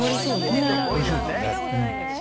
おいしいですよね。